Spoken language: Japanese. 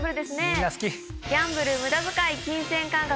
みんな好き。